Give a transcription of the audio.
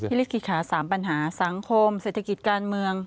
พิฤติศาสตร์๓ปัญหาสังคมเศรษฐกิจการเมือง